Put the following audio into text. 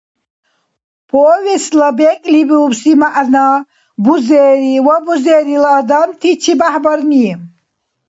Повестла бекӀлибиубси мягӀна – бузери ва бузерила адамти чебяхӀбарни.